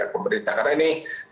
karena ini pemerintah akan mengevaluasi